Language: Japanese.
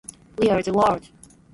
We are the world